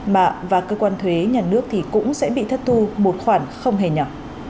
mạng và cơ quan thuế nhà nước thì cũng sẽ bị thất thu một khoản không hề nhỏ